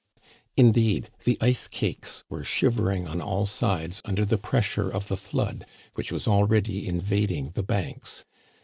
Indeed the ice cakes were shivering on all sides under the pressure of the flood, which was already invading the banks.